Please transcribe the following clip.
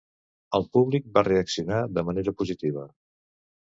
El públic va reaccionar de manera positiva.